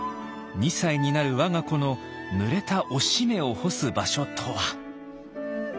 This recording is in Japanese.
二歳になる我が子の濡れたおしめを干す場所とは。